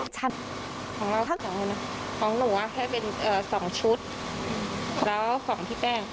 เฉพาะของเรามีกี่ตัวของเราของหนูอ่ะแค่เป็นเอ่อสองชุดแล้วของพี่แก้ง